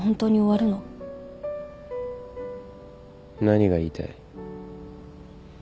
何が言いたい。